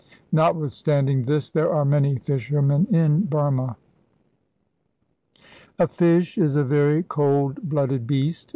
Notwithstanding this, there are many fishermen in Burma. A fish is a very cold blooded beast.